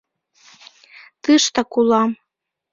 — Тыштак улам...